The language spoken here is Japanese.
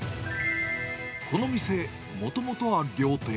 この店、もともとは料亭。